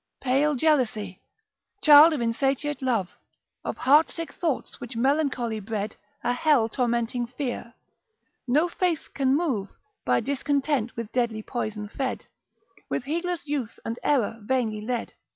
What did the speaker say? Pale jealousy, child of insatiate love, Of heart sick thoughts which melancholy bred, A hell tormenting fear, no faith can move, By discontent with deadly poison fed; With heedless youth and error vainly led.